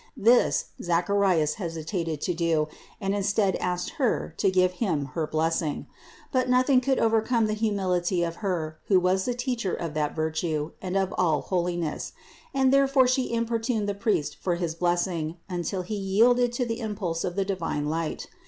This Zacharias hesitated to do and instead asked Her to give him her blessing. But nothing could overcome the humility of Her who was the Teacher of that virtue and of all holi ness; and therefore She importuned the priest for his blessing until he yielded to the impulse of the divine light.